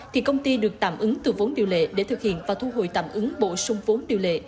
thì công ty được tạm ứng từ vốn điều lệ để thực hiện và thu hồi tạm ứng bổ sung vốn điều lệ